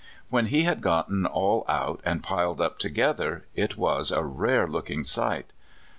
When he had gotten all out and piled up together, it was a rare looking sight.